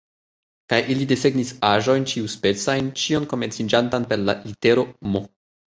Kaj ili desegnis aĵojn ĉiuspecajn, ĉion komenciĝantan per la litero M.